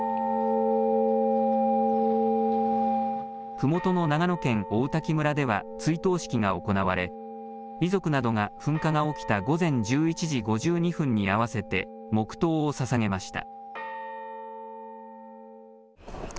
ふもとの長野県王滝村では追悼式が行われ遺族などが噴火が起きた午前１１時５２分に合わせて黙とうをささげました。